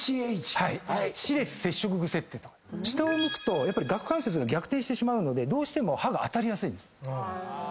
下を向くと顎関節が逆転してしまうのでどうしても歯が当たりやすいです。